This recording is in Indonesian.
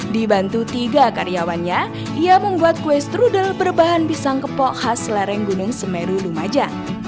dibantu tiga karyawannya ia membuat kue strudel berbahan pisang kepok khas lereng gunung semeru lumajang